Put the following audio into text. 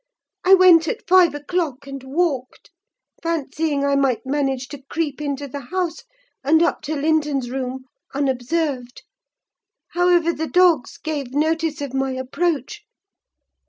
I went at five o'clock, and walked; fancying I might manage to creep into the house, and up to Linton's room, unobserved. However, the dogs gave notice of my approach.